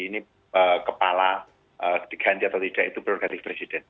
ini kepala diganti atau tidak itu prerogatif presiden